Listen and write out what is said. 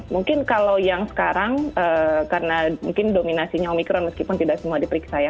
mungkin kalau yang sekarang karena mungkin dominasinya omikron meskipun tidak semua diperiksa ya